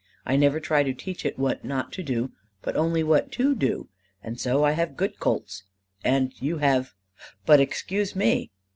I never try to teach it what not to do, but only what to do. And so I have good colts, and you have but excuse me!"